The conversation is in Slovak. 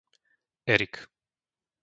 Erik